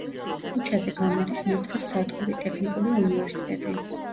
ქუჩაზე გამოდის მეტროს სადგური „ტექნიკური უნივერსიტეტი“.